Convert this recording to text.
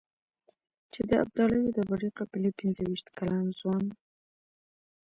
چې د ابدالیو د وړې قبيلې پنځه وېشت کلن ځوان.